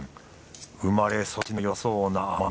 生まれ育ちのよさそうな甘み